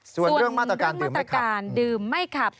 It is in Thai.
ส่วนเรื่องมาตรการดื่มไม่ขับ